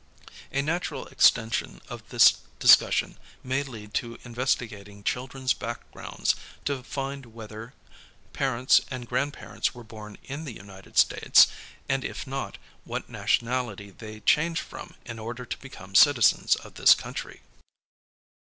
A natural extension of this discussion may lead to investigating children's backgrounds lo find whether parents and grandparents were born in the United States, and if not what nationality they changed from in order to become citizens of this country.